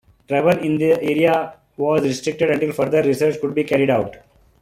Travel in the area was restricted until further research could be carried out.